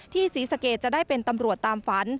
ศรีสะเกดจะได้เป็นตำรวจตามฝัน